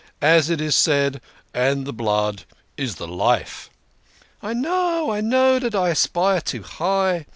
As it is said, 'And the blood is the life.' "" I know, I know dat I aspire too high.